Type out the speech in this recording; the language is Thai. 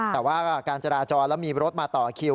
แต่ว่าการจราจรแล้วมีรถมาต่อคิว